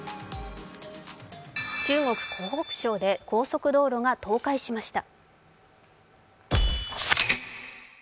中国・湖北省で高速道路が倒壊しました。